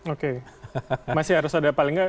oke masih harus ada paling nggak